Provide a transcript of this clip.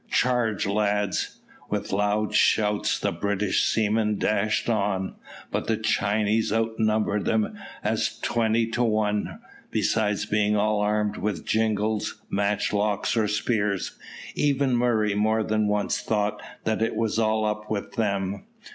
"Charge, lads." With loud shouts the British seamen dashed on; but the Chinese outnumbered them as twenty to one, besides being all armed with jingalls, matchlocks, or spears. Even Murray more than once thought that it was all up with them.